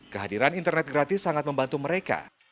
kehadiran internet gratis sangat membantu mereka